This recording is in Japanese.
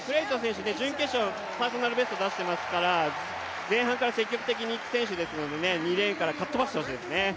準決勝、パーソナルベスト出していますから前半から積極的にいく選手ですのでかっ飛ばしてほしいですね。